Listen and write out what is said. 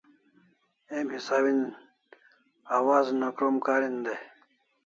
Emi sawin awazuna krom karin dai